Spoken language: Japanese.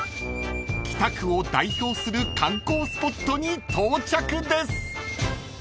［北区を代表する観光スポットに到着です］